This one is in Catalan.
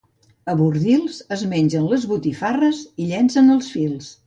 A Bordils, es mengen les botifarres i llencen els fils.